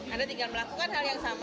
anda tinggal melakukan hal yang sama